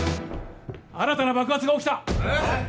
新たな爆発が起きたえっ！？